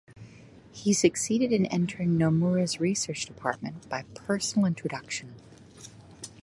He succeeded in entering Nomura's research department by a personal introduction.